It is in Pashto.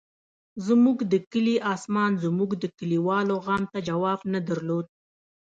زموږ د کلي اسمان زموږ د کلیوالو غم ته جواب نه درلود.